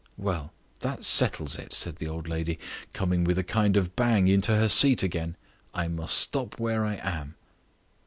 "Well, that settles it," said the old lady, coming with a kind of bang into her seat again, "I must stop where I am."